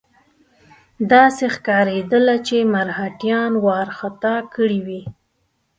داسې ښکارېدله چې مرهټیان وارخطا کړي وي.